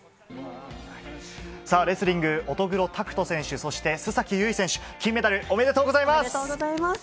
レスリング乙黒拓斗選手、須崎優衣選手、金メダルおめでとうございます！